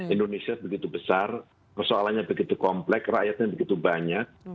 indonesia begitu besar persoalannya begitu komplek rakyatnya begitu banyak